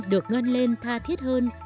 được ngân lên tha thiết hơn